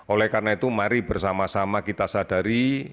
oleh karena itu mari bersama sama kita sadari